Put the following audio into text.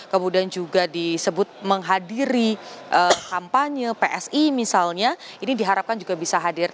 kemudian juga disebut menghadiri kampanye psi misalnya ini diharapkan juga bisa hadir